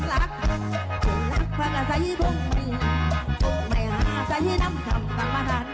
จริงรักภาษาที่พรุ่งมีจุดไม่หาใจที่นำคำศักดิ์มาศาสตร์